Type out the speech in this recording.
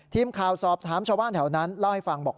ทีมข่าวสอบถามชาวบ้านแถวนั้นเล่าให้ฟังบอก